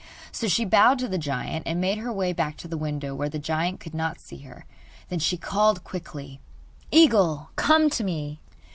So she bowed to the giant, and made her way back to the window where the giant could not see her. Then she called quickly: 'Eagle, come to me!